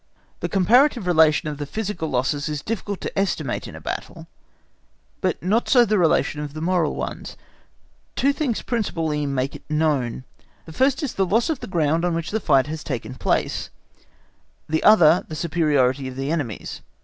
The comparative relation of the physical losses is difficult to estimate in a battle, but not so the relation of the moral ones. Two things principally make it known. The one is the loss of the ground on which the fight has taken place, the other the superiority of the enemy's.